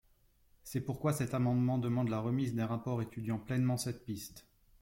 C’est pourquoi cet amendement demande la remise d’un rapport étudiant pleinement cette piste.